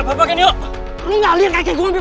amatnya gak nyariin apa